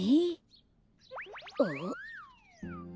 あっ。